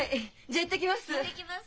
じゃあ行ってきます。